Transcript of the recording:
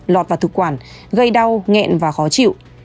lọt vào thực quản gây đau nghẹn và khó chịu